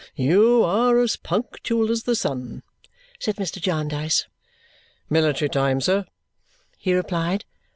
"You are as punctual as the sun," said Mr. Jarndyce. "Military time, sir," he replied.